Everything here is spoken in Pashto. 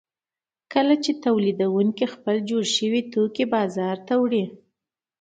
کله چې تولیدونکي خپل جوړ شوي توکي بازار ته وړي